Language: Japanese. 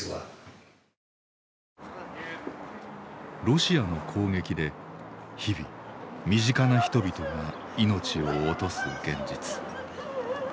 ロシアの攻撃で日々身近な人々が命を落とす現実。